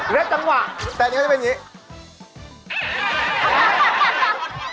จังหวะแต่อันนี้เขาจะเป็นอย่างนี้